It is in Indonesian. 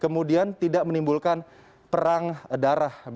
karena kemudian tidak menimbulkan perang darah